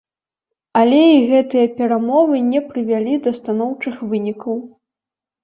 Але і гэтыя перамовы не прывялі да станоўчых вынікаў.